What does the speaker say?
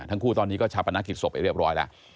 ทั้งคู่ตอนนี้ก็ชาปนกิจศพไปเรียบร้อยแล้ว